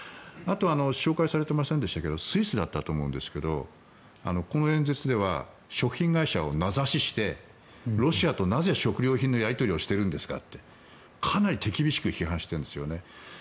あと紹介されていませんでしたがスイスだったと思うんですけどこの演説では食品会社を名指ししてロシアとなぜ食料品のやり取りをしているんですかってかなり手厳しく批判しているんですよね。